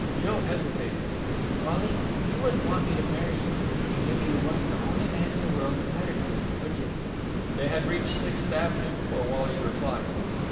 Jill hesitated. "Wally, you wouldn't want me to marry you if you knew you weren't the only man in the world that mattered to me, would you?" They had reached Sixth Avenue before Wally replied.